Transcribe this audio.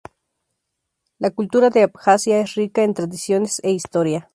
La cultura de Abjasia es rica en tradiciones e historia.